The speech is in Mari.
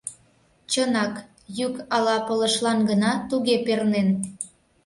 Чынак, йӱк ала пылышлан гына туге пернен?